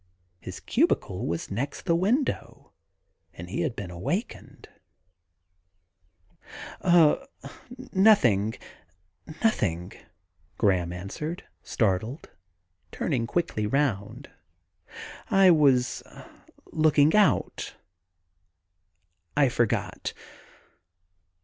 His cubicle was next the window, and he had been awakened. 32 THE GARDEN GOD * Nothing; nothing,' Graham answered, startled, turning quickly round. 'I was looking out ... I forgot.